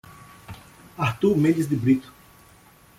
Artur Mendes de Brito